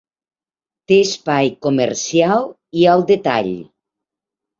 Té espai comercial i al detall.